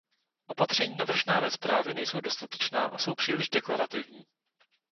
Opatření navržená ve zprávě nejsou dostatečná a jsou příliš deklarativní.